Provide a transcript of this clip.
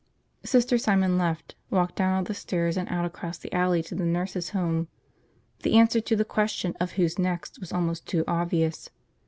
Sister Simon left, walked down all the stairs and out across the alley to the nurses' home. The answer to the question of who's next was almost too obvious.